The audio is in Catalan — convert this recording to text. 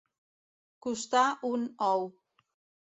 Costar un ou.